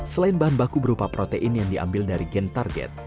selain bahan baku berupa protein yang diambil dari gen target